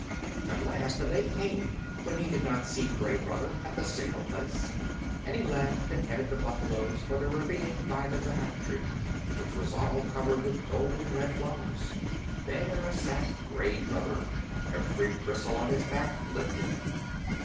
At last a day came when he did not see Gray Brother at the signal place, and he laughed and headed the buffaloes for the ravine by the dhk tree, which was all covered with golden red flowers. There sat Gray Brother, every bristle on his back lifted.